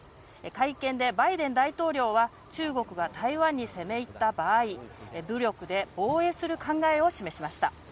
会見でバイデン大統領は中国は、台湾に攻め入った場合武力で防衛する考えを示しました。